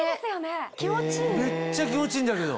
めっちゃ気持ちいいんだけど。